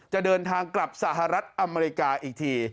จะเดินทางกลับสหรัฐอเมริกาอีกที